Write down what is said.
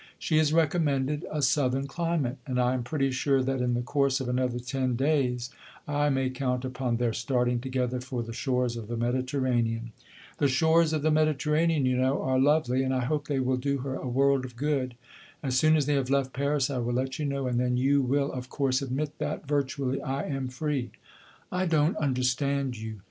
She is recommended a southern climate, and I am pretty sure that in the course of another ten days I may count upon their starting together for the shores of the Mediterranean. The shores of the Mediterranean, you know, are lovely, and I hope they will do her a world of good. As soon as they have left Paris I will let you know; and then you will of course admit that, virtually, I am free." "I don't understand you."